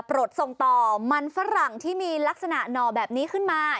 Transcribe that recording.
ส่งต่อมันฝรั่งที่มีลักษณะหน่อแบบนี้ขึ้นมา